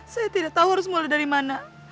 saya tidak tahu harus mulai dari mana